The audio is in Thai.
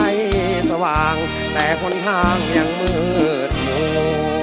เจอแต่คนทางยังมืดมั่ว